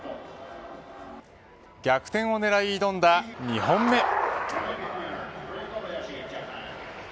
逆転を狙い挑んだ２本目。